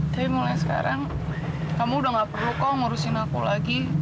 tapi mulai sekarang kamu udah gak perlu kok ngurusin aku lagi